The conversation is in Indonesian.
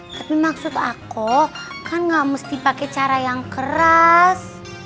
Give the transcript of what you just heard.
tapi maksud aku kan gak mesti pakai cara yang keras